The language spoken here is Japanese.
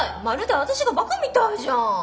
まるで私がバカみたいじゃん。